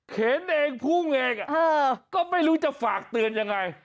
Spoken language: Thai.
เห็นเองพุ่งเองก็ไม่รู้จะฝากเตือนยังไง